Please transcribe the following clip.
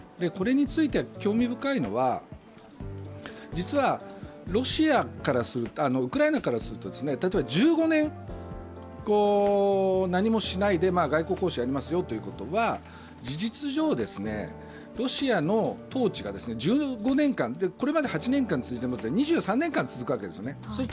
これについて、興味深いのは実はウクライナからすると、例えば１５年、何もしないで外交交渉をやりますよということは事実上、ロシアの統治が１５年間これまで８年間続いてますので、２３年間続くわけですよね。